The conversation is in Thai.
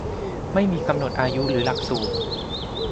ไม่มีกำหนดอายุหรือหลักสูตร